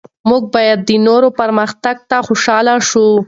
موږ باید د نورو پرمختګ ته خوشحال شو.